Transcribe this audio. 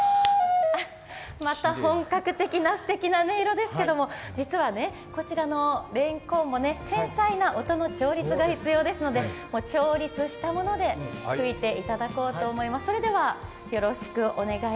また本格的ですてきな音色ですけれども実は、こちらのれんこんも繊細な音の調律が必要ですので、調律したもので吹いていただこうと思います。